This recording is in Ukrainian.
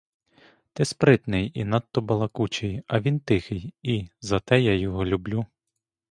Ти спритний і надто балакучий, а він тихий, — і за те я його люблю!